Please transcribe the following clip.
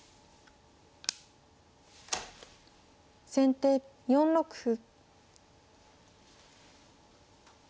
先手４六歩。